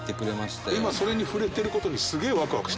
今それに触れてる事にすげえワクワクしてる？